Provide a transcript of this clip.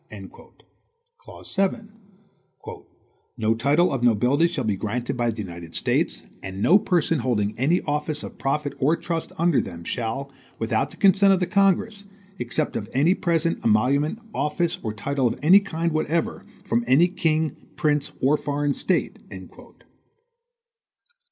Clause 7 "No title of nobility shall be granted by the United States; and no person holding any office of profit or trust under them, shall, without the consent of the Congress, accept of any present, emolument, office, or title of any kind whatever, from any king, prince, or foreign state."